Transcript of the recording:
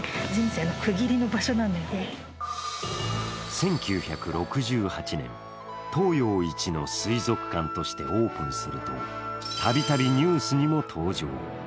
１９６８年、東洋一の水族館としてオープンするとたびたびニュースにも登場。